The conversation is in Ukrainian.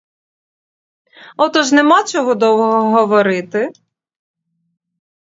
Отож нема чого довго говорити.